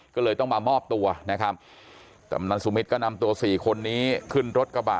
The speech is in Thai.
ก็เลยต้องมามอบตัวนะครับกำนันสุมิตรก็นำตัวสี่คนนี้ขึ้นรถกระบะ